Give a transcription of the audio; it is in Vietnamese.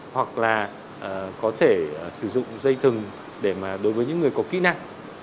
hoặc là có thể sử dụng dây thừng để mà đối với những người có kỹ năng